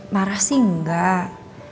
marah sih enggak